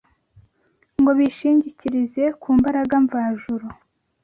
ngo bishingikirize ku mbaraga mvajuru